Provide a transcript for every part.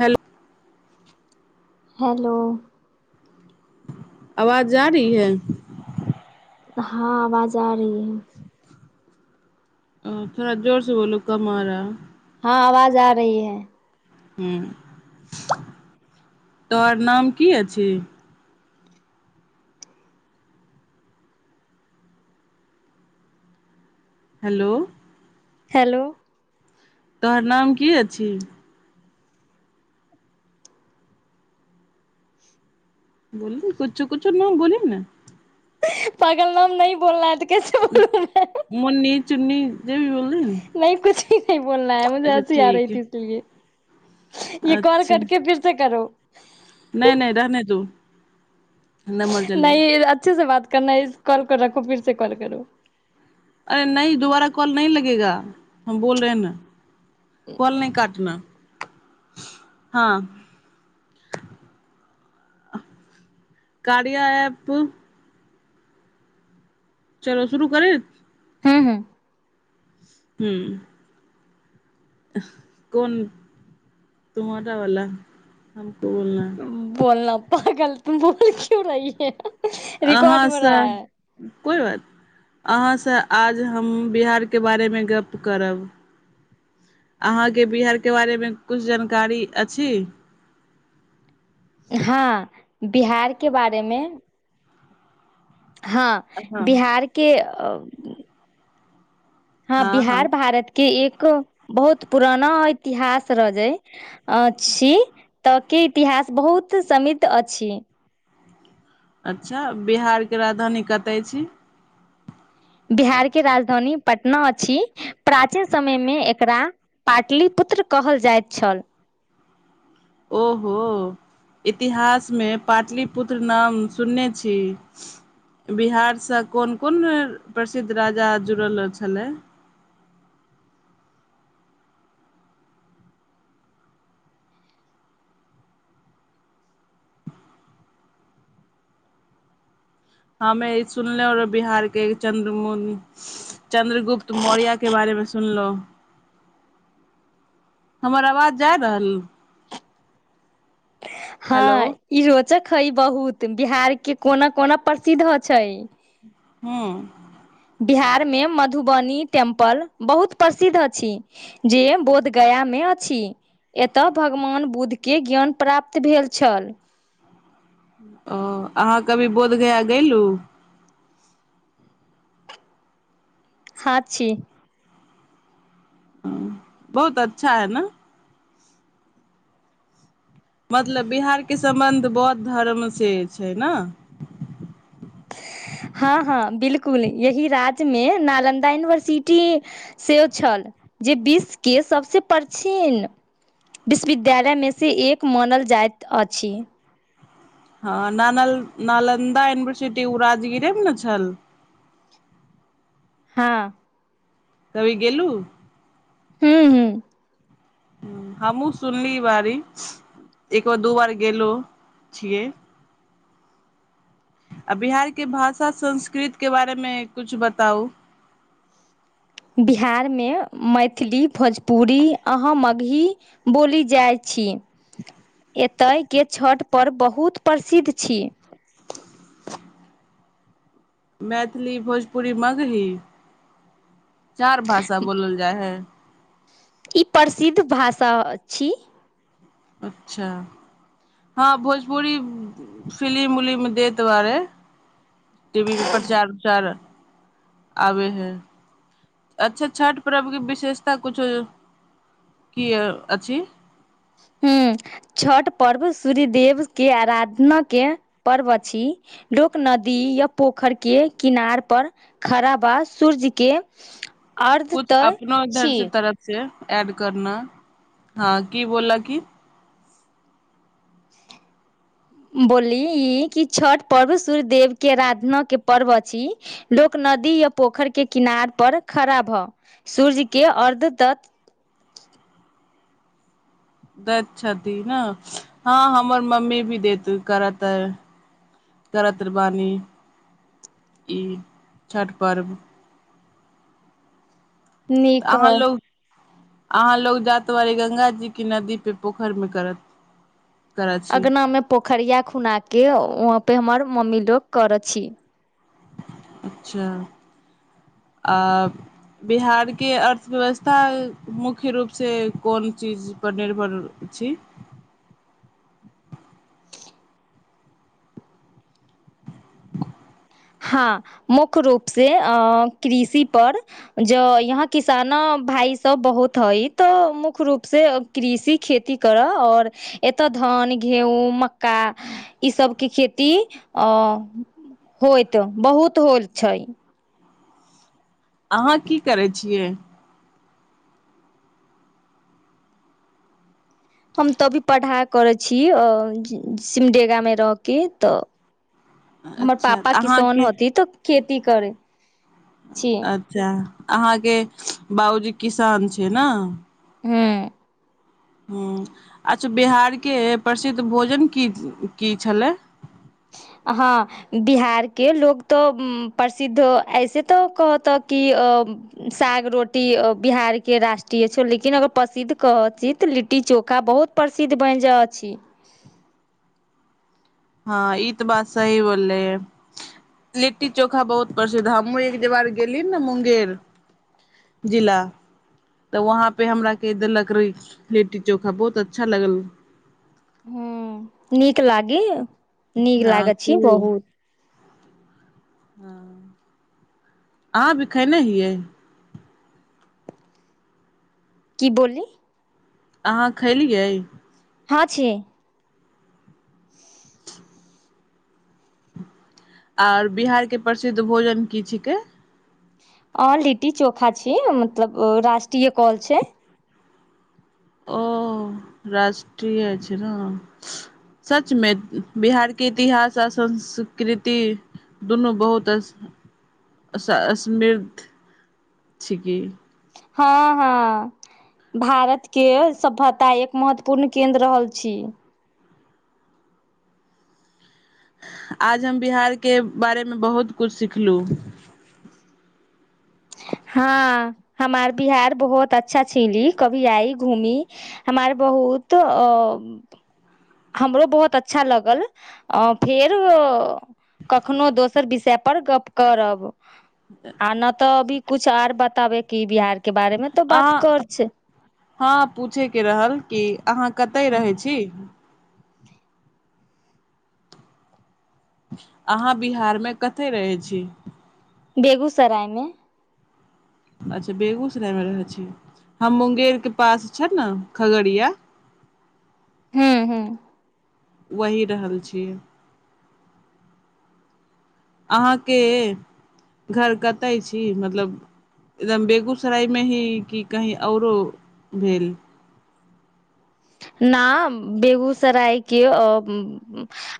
Hello. Hello. आवाज जारी है। हँ आवाज आ रही है। ओ थोड़ा जोर से बोलू कमारा। आवाज आ रही है। ह तोर नाम की अ छै। हेलो। हेलो। तोहर नाम की अछि। बल कुच्चु कुच्चु न बलल ने। पागल नाम नहि बोलना। कैसे बोलूं मोन्नी चुन्नी। देवी बलनि। नहीं कुछ भी नहीं बोलना है मुे असी आ रही ती इसलिए। य कॉल अच्छा करके फिर से करो। नहि नहि रहने दो नंबर चलेगा नहि अच्छे से बात। नहि कॉल कर रखू फीर से कॉल करू। अरे नहि दोबारा कॉल नहि लगेगा हम बोल रहेै ने। कॉल नहि कटना। हँ कार्यऐप। चलो शुरू करे। हँ हू। ह्म। कोन तमाोटा वाला हमको बोलना है। बोलना पाागल तू बोल क्य रही है। रिकॉर्ड अहँ हो रहा सर। है कोइ बात अहाँसँ आज हम बिहारके बारेमे गप करब अहाँके बिहारके बारेमे किछु जानकारी अछि। हँ बिहार के बारे मे। हँ हँ बिहार के। अब। हँ बिहार भारत के एक। बहुत पुराना इतिहास रह जा छी तऽ के इतिहास बहुत समृद्ध अछि। अच्छा बिहार के राजधानी कतय छी। बिहार के राजधानी पटना अछि प्राचीन समय मे एकरा पाटलिपुत्र कहल जाइत छल। ओहो इतिहासमे पाटलिपुत्र नाम सुनने छी बिहार सँ कोन कोन प्रसिद्ध राजा जुड़ल छलै। हमे सुनले रह बिहार के चन्द्रमन चन्द्रगुप्त मौर्या के बारेमे सुनलहु हमर आवाज जाय रहल। हेलो हँ ई रोचक हइ बहुत। बिहार के कोना कोना प्रसिद्ध छै। हू। बिहार मे मधुबनी टेम्पल बहुत प्रसिद्ध अछि जे बोधगया मे अछि एतय भगवान बुद्धके ज्ञान प्राप्त भेल छल। ओ अहाँ कभी बोधगया गेलहुँ। हा छी। बहुत अच्छा है ने। मतलब बिहारके सम्बन्ध बौद्ध धर्म से छै ने। हँ हँ बिलकुल यही राज्यमे नालन्दा यूनिवर्सिटी सेहो छल जे विश्वके सभसँ प्राचीन विश्वविद्यालयमेसँ एक मानल जाइत अछि। हँ न नालन्दा यूनिवर्सिटी ओ राजगिरेमे ने छल। हँ। कभी गेलू। हू हू। ह हमहूँ सुनली बारी एक बे दू बार गेलो छियै। आ बिहार के भाषा संस्कृत के बारे मे कछु बताउ। बिहारमे मैथिली भोजपुरी अह मगही बोली जाइत छी। एतयके छठ परर्व बहुत प्रसिद्ध छी। मैथिली भोजपुरी मगही चार भाषा बोलल जाइ हे। ई प्रसिद्ध भाषा छी। अच्छा हँ भोजपुरी फिलिम उलिम देत बारे। टवी पर प्रचार उचार। आबे हैं। अच्छा छठि पर्वके विशेषता किछो की अछि। ह छठ पर्व सूर्य देव के आराधना के पर्व अछि लोक नदी या पोखर के किनार पर खड़ा बा सूर्य के। अर्ध कुछ तय अपनो इधर छी से तरफ से। एड करना हँ की बोलल की। बोलली ई कि छठ पर्व सूर्य देव के आराधना के पर्व अछि लोक नदी या पोखर के किनार पर खड़ा भ सूर्य के अर्ध तत। दैत छथिन ने हँ हमर मम्मी भी देैत करत करत बानी ई छठ पर्व। तऽ नीक अहाँ ह। लोग अहाँ लग जातआारी गंगा जी के नदी पे पोखर मे करत। करैत छी अंगगना में पोखरिया खुना के वहाँ पे हमर। ममीलोग कर छी। अच्छा आ बिहार के अर्थव्यवस्था मुख्य रूपसँ कोन चीजपर निर्भर छै। हँ मुख्य रूपसँ कृषिपर जँ यहाँ किसान भायसभ बहुत हइ तऽ मुख्य रूपसँ कृषि खेती करय आओर एतय धान गेहूँ मक्का ईसभके खेती अ। होइत बहुत होल छै। अहाँ की करै छियै। हम तऽभी पढ़ाइ करै छी सिमडेगामे रहहि कऽ तऽ। हमर अच्छा पापा किसान अहाँके होती तऽ खेती। की करै। छी अच्छा। अहाँके बाबूजी किसान छै ने। हूं ह अच्छा बिहार के प्रसिद्ध भोजन की की छलै। हँ बिहारके लोक तऽ प्रसिद्ध ऐसे तऽ कहतऽ कि साग रोटी बिहारके राष्ट्रीय छौ लेकिन अगर प्रसिद्ध कह छी तऽ लिट्टी चोखा बहुत प्रसिद्ध बनि जाइ छै। हँ ई तऽ बात सही बोललै हे लिट्टी चोखा बहुत प्रसिद्ध हमहूँ एक जवार गेलियी ने मुंगेर जिला तऽ वहाँपे हमरा क देलक रहै लिट्टी चोखा बहुत अच्छा लगल। हू नीक लागी। नीक हँ लागैत छी बहुत। ह अहाँ भी खेने हियै। की बोली। अहाँ खलियै। हँ छै। आओर बिहार के प्रसिद्ध भोजन की छिकै। अ लिट्टी चोखा छीय मतलब राष्ट्रीय कल छै। ओ राष्ट्रीय छै ने सच मे बिहार के इतिहास आ संस्कृति दुनू बहुत अ समृद्ध छिकी। हँ हँ भारत के सभ्यता एक महत्वपूर्ण केन्द्र रहल छी। आज हम बिहार के बारेमे बहुत किछु सिखलु। हँ हमार बिहार बहुत अच्छा छीली कभी आई घूमी हमार बहुत अ। हमरो बहुत अच्छा लगल अ फेर कखनो दोसर विषय पर गप करब। आ नहि तऽ अभी। कुछ आऔर बताबे क बिहार के। बारे मे तो अ बात कर छै हा पूछे के रहल कि आहा। कतऽ रहै छी। अहाँ बिहार मे कतय रहै छी। बेगूसरायमे। अच्छा बेगूसरायमे रहैछीय हम मुंगेरके पास छ ने खगड़िया। ह्म ह। वही रहल छी। अहाँके घर कतय छी मतलब एकदम बेगूसराय मे ही कि कहीँ औरो भेल। न बेगूसराय के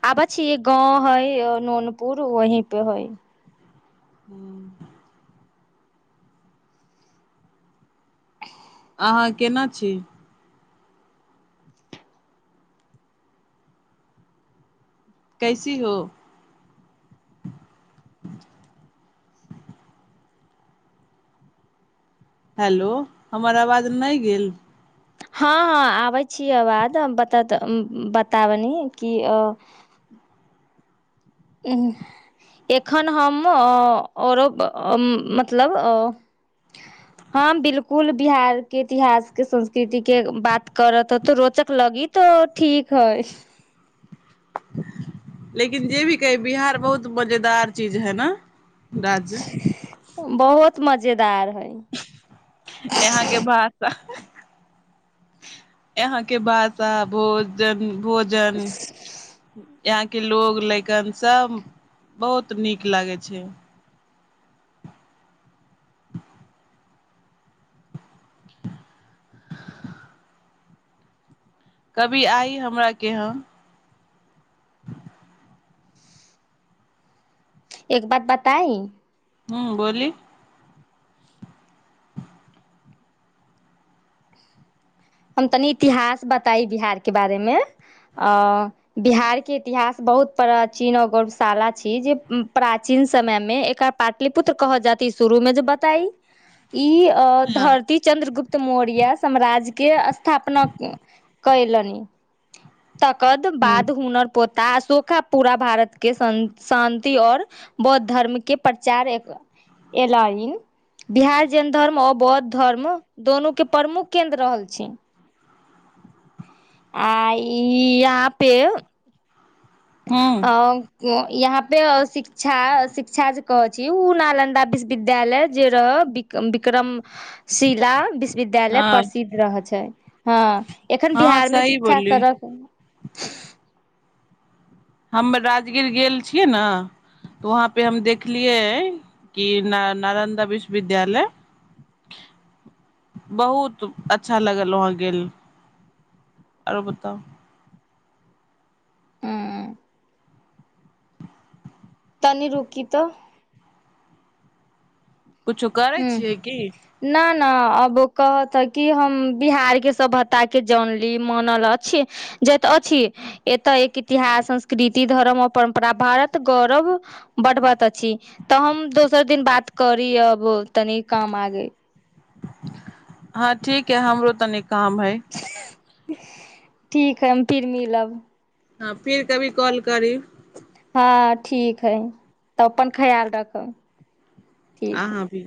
आब छी गाँव है नोनपुर वही पे हइ। ह्म। अहाँ केना छी। कैसी हो। हेलो हमर आवाज नहि गेल। हँ हँ आबै छीियै बाद बता बताबनि कि अ। एखन हम औरो मतलब हम बिलकुल बिहार के इतिहासके संस्कृति के बात करत ह तऽ रोचक लगी तऽ ठीक हइ। लेकिन जे भी कहै बिहार बहुत मजेदार चीज है ने। राज्य। बहुत मजेदार। है यहाँके भाषा। यहाँके भाषा भोजन। भोजन। यहाँके लोकोग लकन सभ बहुत नीक लागै छै। कभी आइ हमरा केहाँ। एक बात बताई। हू बोली। हम तनी इतिहास बताइ बिहारके बारेमे आ बिहारके इतिहास बहुत प्राचीन आओ गौरवशाला छी जे प्राचीन समयमे एकर पाटलिपुत्र कहल जात शुरूमे जे बताई। ई अ हँ धरती चंद्रगुप्त मौर्य साम्राज। के स्थापना कयलनि। तकद हूँ बाद हुनकर पो। ता अशोका पूरा भारत के शान्ति और बौद्ध धर्म के प्रचार एलनि बिहार जैन धर्म और बौद्ध धर्म दोनू के प्रमुख केन्द्र रहल छै। पक च आ ई आपे। हूँ आ। यहाँ पे शिक्षा शिक्षा जे कहै छी ओ नालन्दा विश्वविद्यालय जे रह विक्रम। शिला विश्वविद्यालय हँ प्रसिद्ध रहै छै हँ एखन हँ बिहारमे सही शिक्षा बोलली सड़क। हम राजगीर गेल छियै नेऽ वहाँपे हम देखलियै कि न नालन्दा विश्वविद्यालय बहुत अच्छा लागल वहाँ गेल आरो बताउ। ह। तनी रुकी तऽ। कुछो करै छियै की। ने अब कहत कि हम बिहार के सभ्यता के जानली मानल अछि जत अछि एतऽ एक इतिहास संस्कृति धर्म आ परम्परा भारत गौरव बढ़बत अछि तऽ हम दोसर दिन बात करी अब। तनी काम आ गै। हँ ठीक है हमरो तनिक। काम ह। ठीक है फिर मिलब। हँ फिर कभी कॉल करी। हँ ठीक हइ तऽ अपन ख्याल राखब। ठीक है। आहा भी।